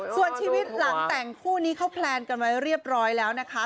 ส่วนชีวิตหลังแต่งคู่นี้เขาแพลนกันไว้เรียบร้อยแล้วนะคะ